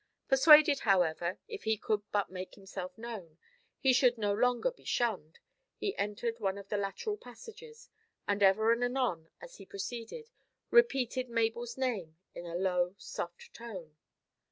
Persuaded, however, if he could but make himself known, he should no longer be shunned, he entered one of the lateral passages, and ever and anon, as he proceeded, repeated Mabel's name in a low, soft tone.